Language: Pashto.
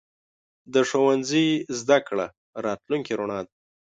د ښوونځي زده کړه راتلونکې رڼا ده.